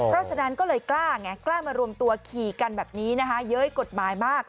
เพราะฉะนั้นก็เลยกล้าไงกล้ามารวมตัวขี่กันแบบนี้นะคะเย้ยกฎหมายมาก